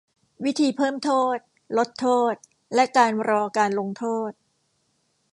วิธีเพิ่มโทษ ลดโทษ และการรอการลงโทษ